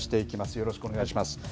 よろしくお願いします。